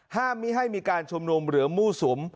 ห้ามให้มีการชุมนมเหรอมู้สุม